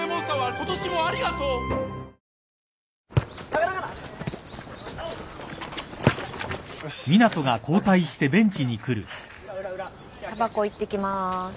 たばこ行ってきまーす。